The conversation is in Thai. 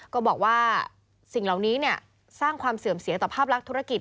ก็บอกว่าสิ่งเหล่านี้สร้างความเสื่อมเสียต่อภาพลักษณ์ธุรกิจ